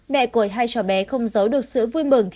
mẹ của hai cháu bé không giấu được sự vui mừng